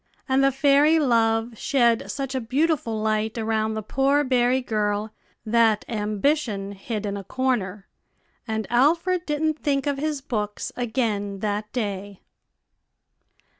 And the fairy Love shed such a beautiful light around the poor berry girl, that Ambition hid in a corner, and Alfred didn't think of his books again that day.